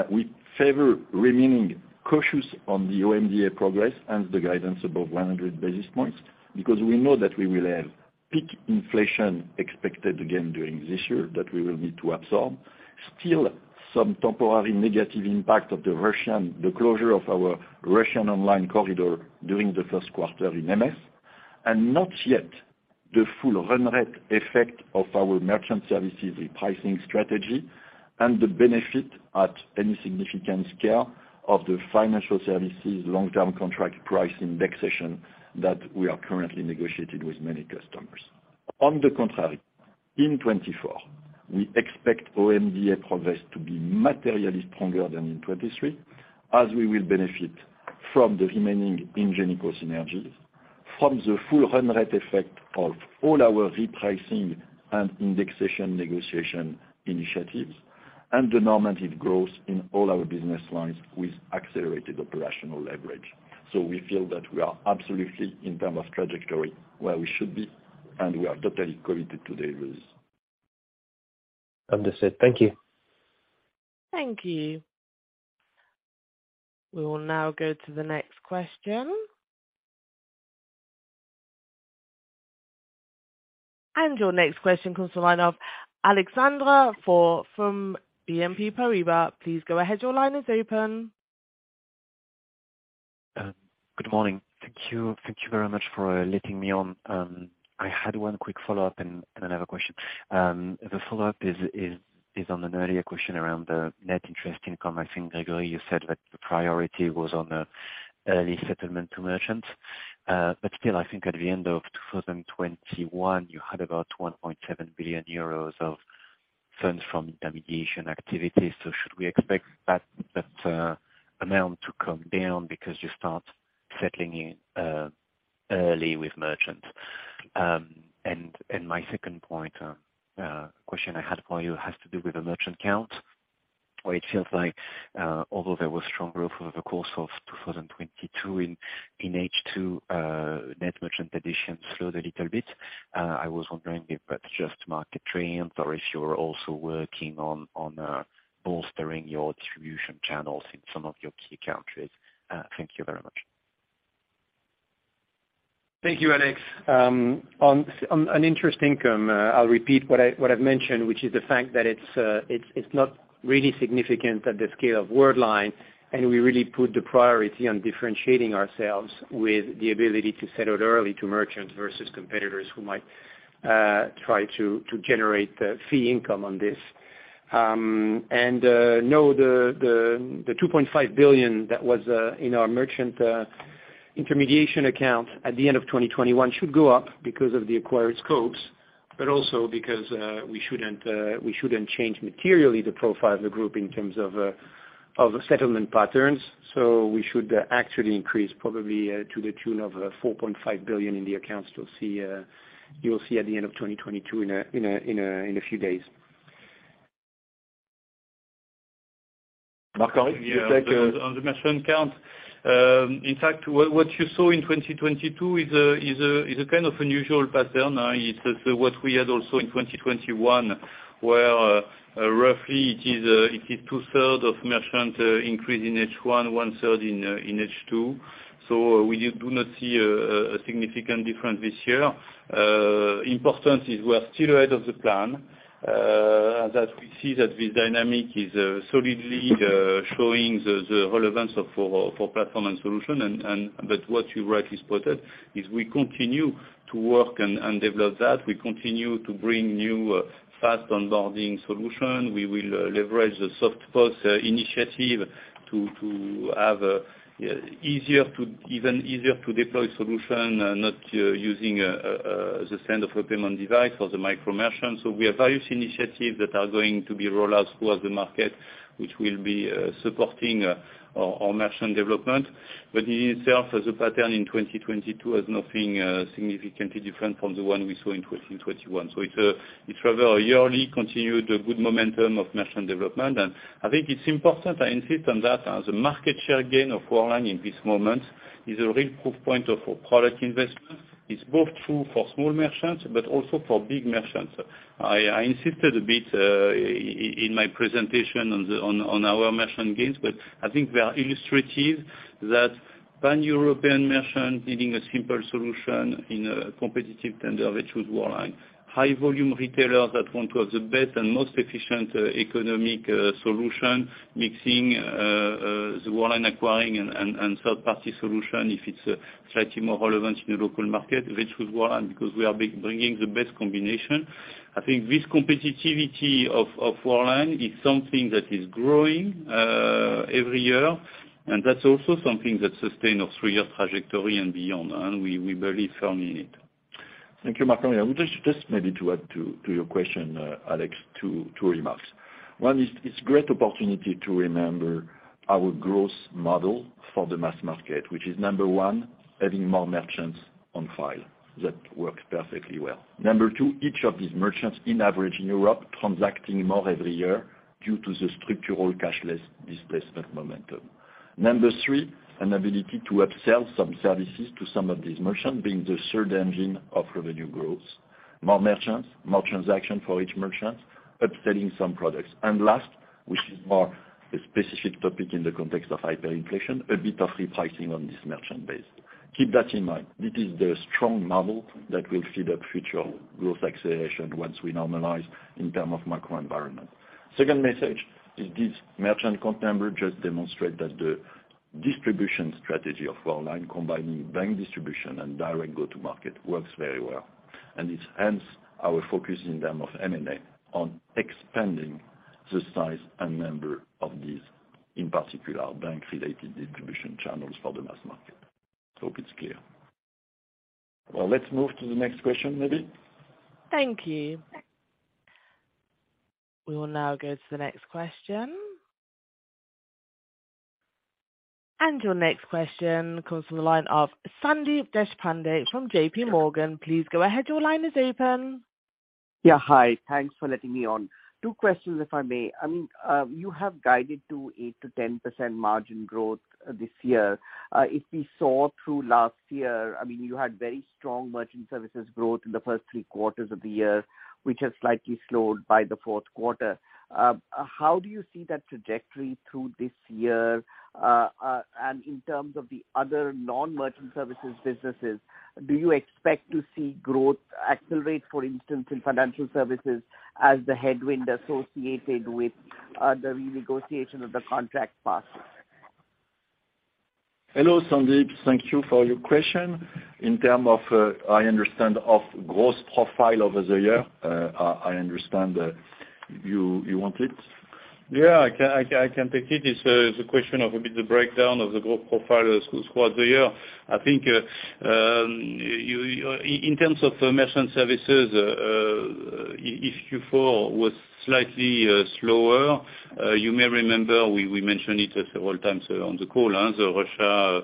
B: we favor remaining cautious on the OMDA progress and the guidance above 100 basis points, because we know that we will have peak inflation expected again during this year that we will need to absorb. Still, some temporary negative impact of the Russian... the closure of our Russian online corridor during the Q1 in MS. Not yet the full run rate effect of our Merchant Services repricing strategy and the benefit at any significant scale of the Financial Services long-term contract price indexation that we are currently negotiating with many customers. On the contrary, in 2024, we expect OMDA progress to be materially stronger than in 2023, as we will benefit from the remaining Ingenico synergies, from the full run rate effect of all our repricing and indexation negotiation initiatives, and the normative growth in all our business lines with accelerated operational leverage. We feel that we are absolutely in terms of trajectory where we should be, and we are totally committed to the results.
G: Understood. Thank you.
A: Thank you. We will now go to the next question. Your next question comes from the line of Alexandre Faure from BNP Paribas. Please go ahead. Your line is open.
H: Good morning. Thank you. Thank you very much for letting me on. I had one quick follow-up and another question. The follow-up is on an earlier question around the net interest income. I think, Gregory, you said that the priority was on the early settlement to merchants. Still, I think at the end of 2021, you had about 1.7 billion euros of funds from intermediation activities. Should we expect that amount to come down because you start settling in early with merchants? My second point, question I had for you has to do with the merchant count, where it feels like, although there was strong growth over the course of 2022 in H2, net merchant addition slowed a little bit. I was wondering if that's just market trend or if you're also working on bolstering your distribution channels in some of your key countries. Thank you very much.
D: Thank you, Alex. On an interest income, I'll repeat what I've mentioned, which is the fact that it's not really significant at the scale of Worldline, and we really put the priority on differentiating ourselves with the ability to settle early to merchants versus competitors who might try to generate the fee income on this. No, the 2.5 billion that was in our merchant intermediation account at the end of 2021 should go up because of the acquired scopes, but also because we shouldn't change materially the profile of the group in terms of settlement patterns. We should actually increase probably, to the tune of, 4.5 billion in the accounts you'll see, you'll see at the end of 2022 in a few days.
B: Marc, do you take?
C: Yeah. On the merchant count, in fact, what you saw in 2022 is a kind of unusual pattern. It's what we had also in 2021, where roughly two-third of merchant increase in H1, one-third in H2. We do not see a significant difference this year. Importance is we are still ahead of the plan, as that we see that this dynamic is solidly showing the relevance of platform and solution. What you rightly spotted is we continue to work and develop that. We continue to bring new fast onboarding solution. We will leverage the SoftPos initiative to have easier to, even easier to deploy solution, not using the standard of payment device for the micro merchant. We have various initiatives that are going to be rolled out throughout the market, which will be supporting our merchant development. In itself, as a pattern in 2022 has nothing significantly different from the one we saw in 2021. It's rather a yearly continued good momentum of merchant development. I think it's important, I insist on that, as a market share gain of Worldline in this moment is a real proof point of our product investment. It's both true for small merchants but also for big merchants. I insisted a bit in my presentation on our merchant gains, but I think they are illustrative that Pan-European merchants needing a simple solution in a competitive tender, they choose Worldline. High volume retailers that want to have the best and most efficient economic solution, mixing the Worldline acquiring and third-party solution, if it's slightly more relevant in the local market, they choose Worldline because we are bringing the best combination. I think this competitivity of Worldline is something that is growing every year, and that's also something that sustain our 3-year trajectory and beyond, and we believe firmly in it.
B: Thank you, Marc. I would like just maybe to add to your question, Alex, two remarks. One is it's great opportunity to remember our growth model for the mass market, which is number one, having more merchants on file. That works perfectly well. Number two, each of these merchants in average in Europe transacting more every year due to the structural cashless displacement momentum. Number three, an ability to upsell some services to some of these merchants, being the third engine of revenue growth. More merchants, more transaction for each merchant, upselling some products. Last, which is more a specific topic in the context of hyperinflation, a bit of repricing on this merchant base. Keep that in mind. It is the strong model that will feed the future growth acceleration once we normalize in term of macro environment. Second message is this merchant count number just demonstrates that the distribution strategy of Worldline combining bank distribution and direct go-to-market works very well. It's hence our focus in terms of M&A on expanding the size and number of these, in particular, bank-related distribution channels for the mass market. Hope it's clear. Let's move to the next question, maybe.
A: Thank you. We will now go to the next question. Your next question comes from the line of Sandeep Deshpande from J.P. Morgan. Please go ahead, your line is open.
I: Yeah, hi. Thanks for letting me on. two questions, if I may. I mean, you have guided to 8% to 10% margin growth this year. If we saw through last year, I mean, you had very strong Merchant Services growth in the first three quarters of the year, which has slightly slowed by the Q4. How do you see that trajectory through this year? In terms of the other non-Merchant Services businesses, do you expect to see growth accelerate, for instance, in Financial Services as the headwind associated with the renegotiation of the contract passes?
B: Hello, Sandeep. Thank you for your question. In terms of growth profile over the year, I understand that you want it.
C: Yeah. I can take it. It's the question of a bit the breakdown of the growth profile as throughout the year. I think, in terms of Merchant Services, if Q4 was slightly slower, you may remember we mentioned it several times on the call, the Russia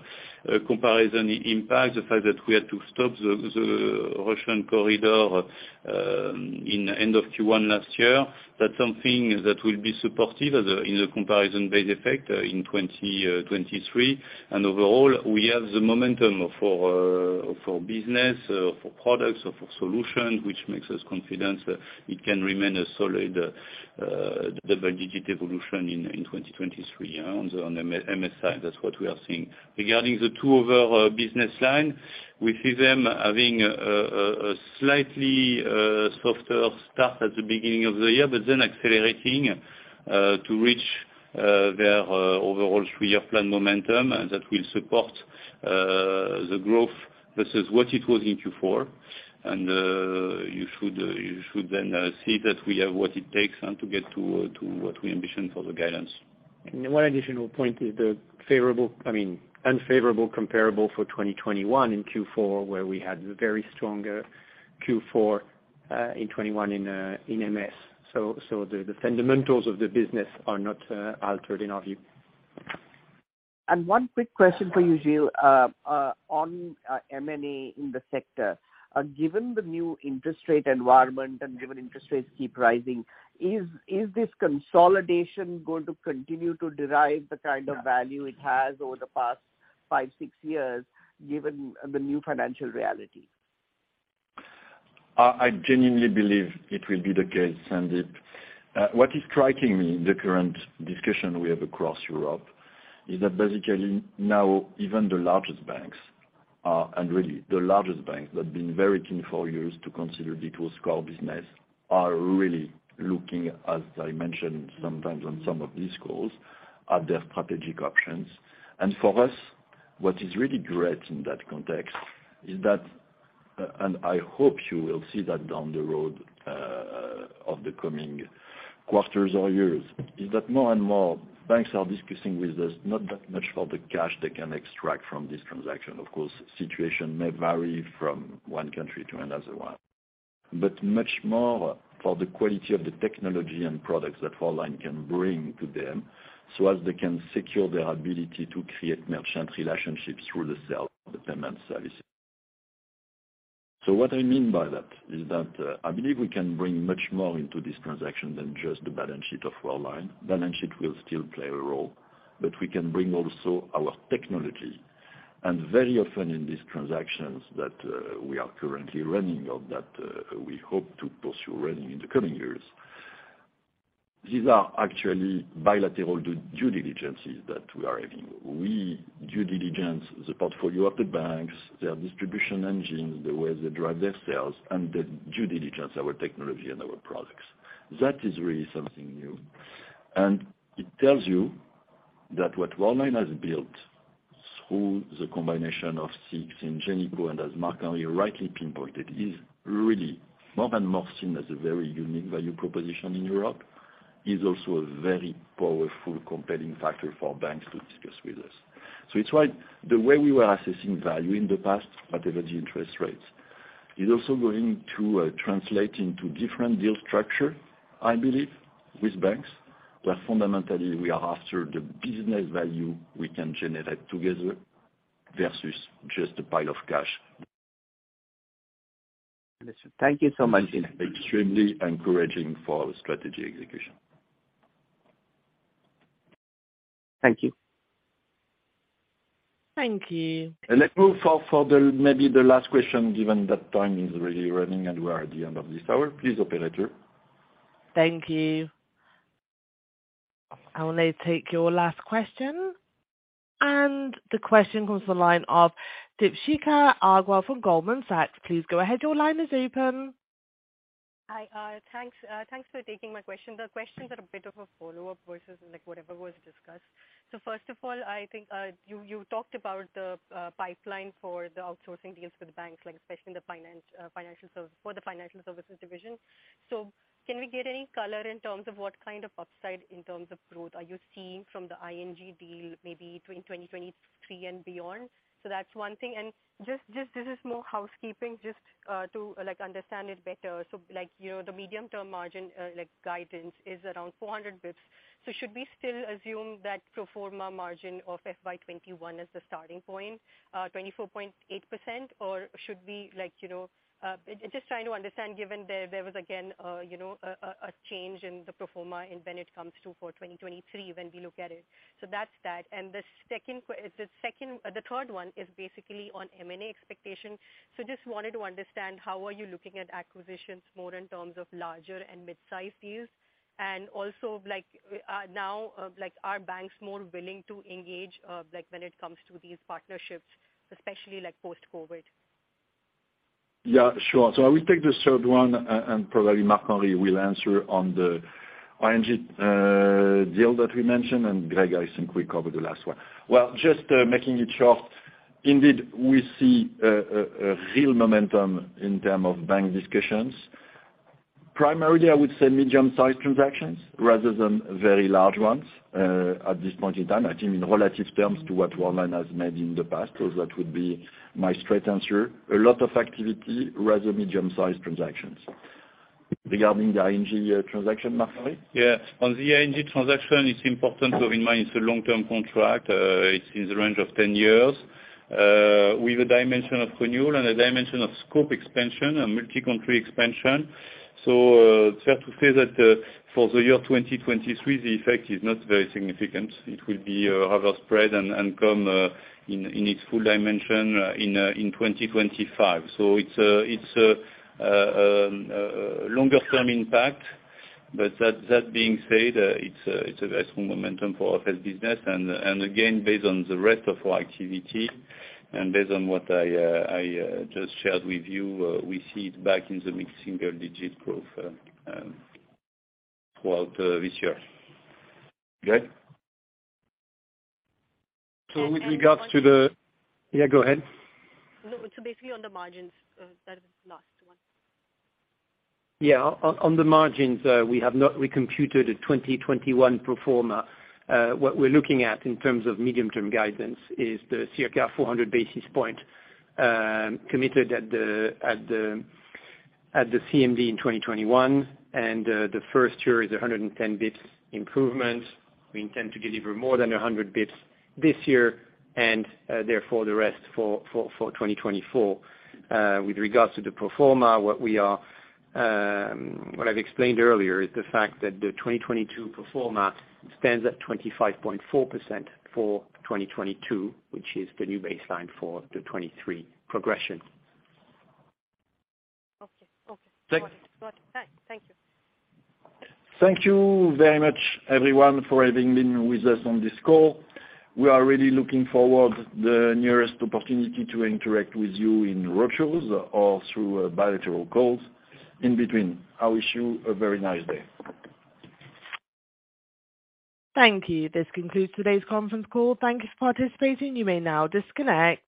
C: comparison impact, the fact that we had to stop the Russian corridor in end of Q1 2022. That's something that will be supportive in the comparison-based effect in 2023. Overall, we have the momentum for business, for products, for solution, which makes us confident that it can remain a solid double-digit evolution in 2023 on the M-MSI. That's what we are seeing. Regarding the two other business line, we see them having a slightly softer start at the beginning of the year, but then accelerating to reach their overall 3-year plan momentum that will support the growth versus what it was in Q4. You should then see that we have what it takes and to get to what we ambition for the guidance.
B: One additional point is the favorable, I mean unfavorable comparable for 2021 in Q4, where we had very stronger Q4, in 2021 in MS. So the fundamentals of the business are not altered in our view.
I: One quick question for you, Gilles, on M&A in the sector. Given the new interest rate environment and given interest rates keep rising, is this consolidation going to continue to derive the kind of value it has over the past 5, 6 years, given the new financial reality?
B: I genuinely believe it will be the case, Sandeep. What is striking me in the current discussion we have across Europe is that basically now even the largest banks are, and really the largest banks that have been very keen for years to consider retail scale business are really looking, as I mentioned sometimes on some of these calls, at their strategic options. For us, what is really great in that context is that, and I hope you will see that down the road of the coming quarters or years, is that more and more banks are discussing with us not that much for the cash they can extract from this transaction. Of course, situation may vary from one country to another one. Much more for the quality of the technology and products that Worldline can bring to them so as they can secure their ability to create merchant relationships through the sale of the payment services. What I mean by that is that I believe we can bring much more into this transaction than just the balance sheet of Worldline. Balance sheet will still play a role, but we can bring also our technology. Very often in these transactions that we are currently running or that we hope to pursue running in the coming years, these are actually bilateral due diligencies that we are having. We due diligence the portfolio of the banks, their distribution engines, the way they drive their sales, and they due diligence our technology and our products. That is really something new. It tells you that what Worldline has built through the combination of SIX, Ingenico, and as Marc-Henri rightly pinpointed, is really more and more seen as a very unique value proposition in Europe, is also a very powerful compelling factor for banks to discuss with us. It's why the way we were assessing value in the past at energy interest rates is also going to translate into different deal structure, I believe, with banks, where fundamentally we are after the business value we can generate together versus just a pile of cash.
I: Listen, thank you so much.
B: This is extremely encouraging for our strategy execution.
D: Thank you.
A: Thank you.
B: Let's move for the, maybe the last question, given that time is really running and we are at the end of this hour. Please, operator.
A: Thank you. I will now take your last question. The question comes from the line of Deepshikha Aggarwal from Goldman Sachs. Please go ahead, your line is open.
J: Hi, thanks. Thanks for taking my question. The question is a bit of a follow-up versus, like, whatever was discussed. First of all, I think, you talked about the pipeline for the outsourcing deals with banks, like especially in the finance for the Financial Services division. Can we get any color in terms of what kind of upside in terms of growth are you seeing from the ING deal, maybe between 2023 and beyond? That's one thing. Just this is more housekeeping, just to understand it better. Like, the medium-term margin, like, guidance is around 400 bips. Should we still assume that pro forma margin of FY 2021 is the starting point, 24.8%? Or should we like,... Just trying to understand, given there was again, a change in the pro forma and when it comes to for 2023 when we look at it. That's that. The second... The third one is basically on M&A expectations. Just wanted to understand, how are you looking at acquisitions more in terms of larger and midsize deals? Also, like, now, like, are banks more willing to engage, like when it comes to these partnerships, especially like post-COVID?
B: Yeah, sure. I will take the third one and probably Marc Henry will answer on the ING deal that we mentioned. Greg, I think we covered the last one. Well, just making it short, indeed, we see a real momentum in term of bank discussions. Primarily, I would say medium-sized transactions rather than very large ones at this point in time. I think in relative terms to what Worldline has made in the past, so that would be my straight answer. A lot of activity, rather medium-sized transactions. Regarding the ING transaction, Marc Henry?
C: Yeah. On the ING transaction, it's important to have in mind it's a long-term contract. It's in the range of 10 years with a dimension of renewal and a dimension of scope expansion and multi-country expansion. It's fair to say that for the year 2023, the effect is not very significant. It will be rather spread and come in its full dimension in 2025. It's a longer term impact. That being said, it's a very strong momentum for our business. Again, based on the rest of our activity and based on what I just shared with you, we see it back in the mid-single digit growth throughout this year.
B: Greg?
D: with regards to.
J: one-
D: Yeah, go ahead.
J: Basically on the margins, that was the last one.
D: On the margins, we have not recomputed the 2021 pro forma. What we're looking at in terms of medium-term guidance is the circa 400 basis point committed at the CMV in 2021. The first year is 110 bips improvement. We intend to deliver more than 100 bips this year and, therefore, the rest for 2024. With regards to the pro forma, what I've explained earlier is the fact that the 2022 pro forma stands at 25.4% for 2022, which is the new baseline for the 2023 progression.
J: Okay. Okay.
B: Thanks.
J: Got it. Got it. Thank you.
B: Thank you very much, everyone, for having been with us on this call. We are really looking forward the nearest opportunity to interact with you in roadshows or through bilateral calls. In between, I wish you a very nice day.
A: Thank you. This concludes today's conference call. Thank you for participating. You may now disconnect.